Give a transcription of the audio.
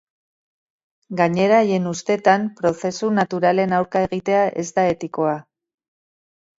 Gainera haien ustetan, prozesu naturalen aurka egitea ez da etikoa.